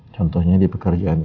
contohnya di pekerjaan dia